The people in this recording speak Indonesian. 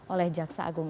oleh jaksa agung